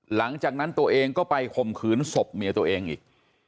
หลังจากนั้นตัวเองก็ไปข่มขืนศพเมียตัวเองอีก